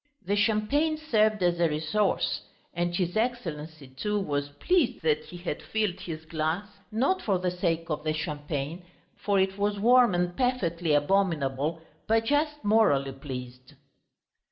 The champagne served as a resource, and his Excellency, too, was pleased that he had filled his glass not for the sake of the champagne, for it was warm and perfectly abominable, but just morally pleased.